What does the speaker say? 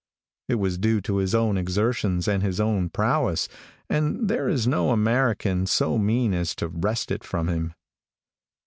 It was due to his own exertions and his own prowess, and there is no American so mean as to wrest it from him.